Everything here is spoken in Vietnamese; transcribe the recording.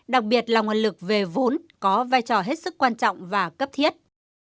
đặc biệt là nguồn lực về vốn có vai trò hết sức quan trọng và cấp thiết